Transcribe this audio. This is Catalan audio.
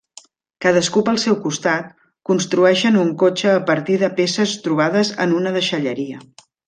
Cadascú pel seu costat, construeixen un cotxe a partir de peces trobades en una deixalleria.